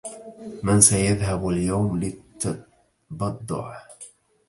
من سيذهب اليوم للتبضع؟